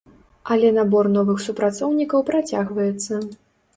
Але набор новых супрацоўнікаў працягваецца.